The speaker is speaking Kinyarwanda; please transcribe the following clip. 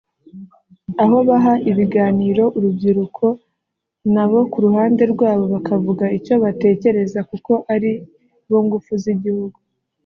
aho baha ibiganiro uru rubyiruko nabo ku ruhande rwabo bakavuga icyo batekereza kuko aribo ngufu z’igihugu